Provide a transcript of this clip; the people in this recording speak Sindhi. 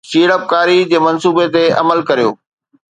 سيڙپڪاري جي منصوبي تي عمل ڪريو